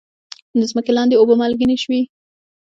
د ځمکې لاندې اوبه مالګینې شوي؟